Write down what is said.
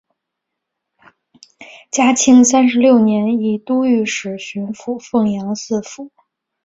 嘉靖三十六年以都御史巡抚凤阳四府。